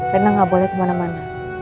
rena gak boleh kemana mana